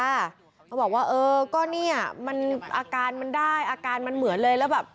เขาบอกว่าเออก็เนี่ยมันอาการมันได้อาการมันเหมือนเลยแล้วแบบ